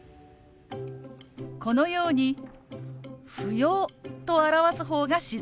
このように「不要」と表す方が自然です。